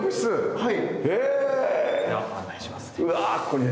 はい。